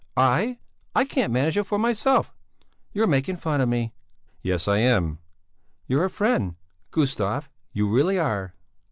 "I? I can't manage it for myself! You're making fun of me!" "Yes, I am!" "You're a friend, Gustav, you really are!"